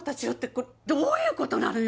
これどういうことなのよ